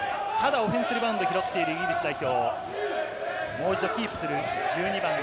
オフェンスリバウンドを拾っているイギリス代表。